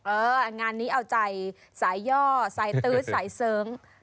งานนี้เอาใจสายย่อสายตื๊ดสายเสริง